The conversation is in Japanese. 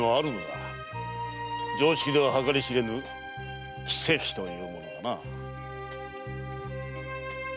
常識では計り知れぬ「奇跡」というものがな。